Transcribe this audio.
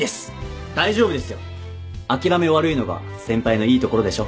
大丈夫ですよ諦め悪いのが先輩のいいところでしょ